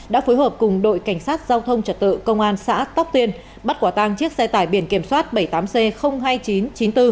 đã phối hợp cùng đội cảnh sát giao thông trật tự công an xã tóc tiên bắt quả tang chiếc xe tải biển kiểm soát bảy mươi tám c hai nghìn chín trăm chín mươi bốn